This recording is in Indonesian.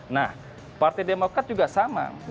nah partai demokrat juga sama